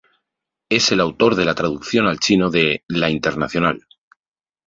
Es el autor de la traducción al chino de "La Internacional".